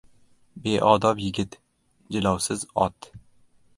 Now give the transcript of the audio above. • Beodob yigit — jilovsiz ot.